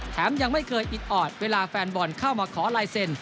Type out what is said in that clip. ยังไม่เคยอิดออดเวลาแฟนบอลเข้ามาขอลายเซ็น